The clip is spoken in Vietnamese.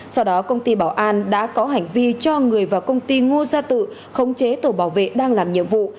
sau đó công ty bảo an đã có hành vi cho người vào công ty ngô gia tự khống chế tổ bảo vệ đang làm nhiệm vụ